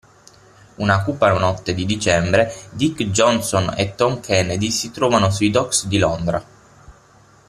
Una cupa notte di dicembre Dick Johnson e Tom Kennedy si trovano sui docks di Londra.